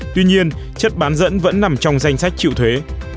tuy nhiên chất bán dẫn vẫn nằm trong danh sách chịu thuế